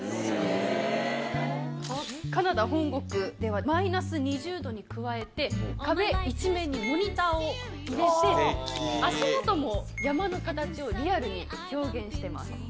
カナダ本国ではマイナス２０℃に加えて壁一面にモニターを入れて足元も山の形をリアルに表現してます。